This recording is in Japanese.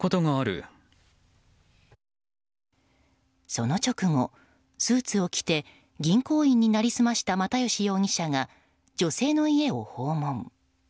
その直後、スーツを着て銀行員に成り済ました又吉容疑者が女性の家を訪問。